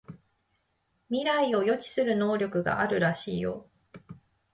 未来を予知する能力があるらしいよ